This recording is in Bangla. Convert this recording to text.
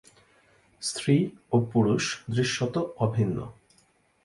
স্ত্রী ও পুরুষ দৃশ্যত অভিন্ন।